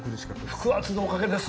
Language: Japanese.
「腹圧のおかげです！」。